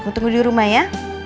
untuk tunggu di rumah ya